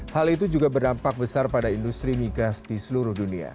hal itu juga berdampak besar pada industri migas di seluruh dunia